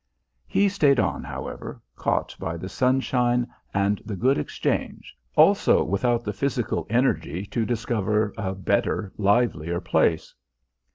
He stayed on, however, caught by the sunshine and the good exchange, also without the physical energy to discover a better, livelier place.